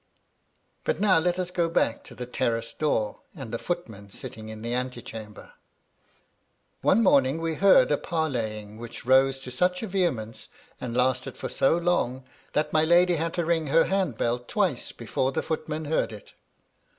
But now let us go back to the terrace door, and the footman sitting in the antechamber. One morning we heard a parleying which rose to such a vehemence, and lasted for so long, that my lady had to ring her hand bell twice before the foot man heard it.